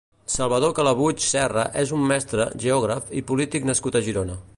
Salvador Calabuig Serra és un mestre, geògraf i polític nascut a Girona.